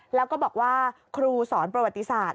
แล้วก็บอกว่าครูสอนประวัติศาสต